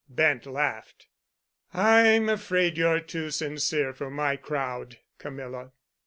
Bent laughed. "I'm afraid you're too sincere for my crowd, Camilla."